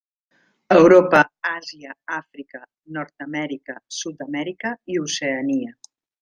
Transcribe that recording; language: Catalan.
Europa, Àsia, Àfrica, Nord-amèrica, Sud-amèrica i Oceania.